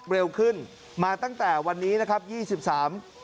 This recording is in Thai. เร็วขึ้นมาตั้งแต่วันนี้นะครับยี่สิบสาม